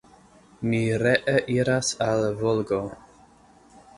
Mi ree iras al Volgo.